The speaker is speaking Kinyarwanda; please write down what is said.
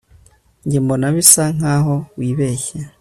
Njye mbona bisa nkaho wibeshye